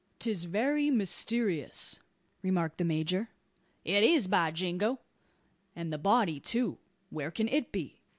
"'Tis very mysterious," remarked the major. "It is, by jingo!" "And the body, too; where can it be?"